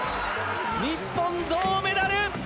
日本銅メダル！